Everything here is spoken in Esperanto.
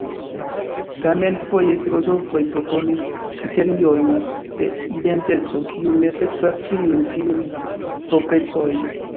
Tamen foje filozofoj proponis kriteriojn de identeco kiu ne sekvas ĉiujn tiujn proprecojn.